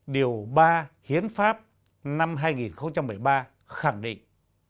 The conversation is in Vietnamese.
điều ba hiến pháp năm hai nghìn một mươi ba khẳng định